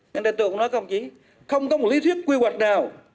nên tôi cũng nói không chí không có một lý thuyết quy hoạch nào